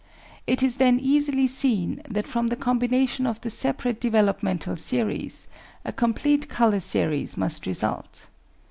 It is then easily seen that from the combination of the separate develop mental series a complete colour series must result.